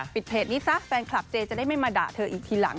เพจนี้ซะแฟนคลับเจจะได้ไม่มาด่าเธออีกทีหลัง